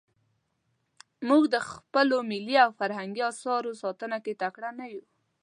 موږ د خپلو ملي او فرهنګي اثارو ساتنه کې تکړه نه یو.